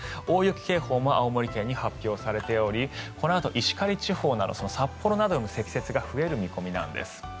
大雪警報も青森県に発表されておりこのあと石狩地方など札幌などでも積雪が増える見込みなんです。